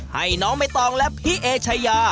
ให้น้องใบตองและพี่เอชายา